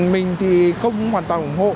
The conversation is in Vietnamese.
mình thì không hoàn toàn ủng hộ